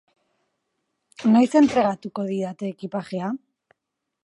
Noiz entregatuko didate ekipajea?